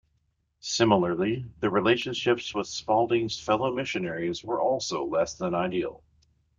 Similarly, the relationships with Spalding's fellow missionaries were also less than ideal.